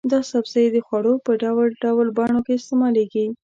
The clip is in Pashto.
دا سبزی د خوړو په ډول ډول بڼو کې استعمالېږي.